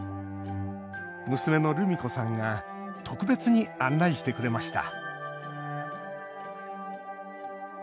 娘の、るみ子さんが特別に案内してくれました。